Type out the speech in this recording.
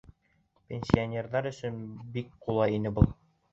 Пенсионерҙар өсөн бик ҡулай ине был.